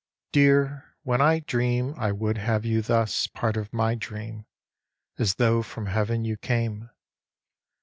Dear, when I dream I would have you thus Part of my dream, As though from heaven you came.